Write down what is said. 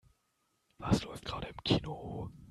Was läuft gerade im Kino?